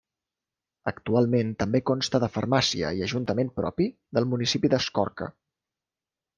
Actualment també consta de farmàcia i ajuntament propi del municipi d'Escorca.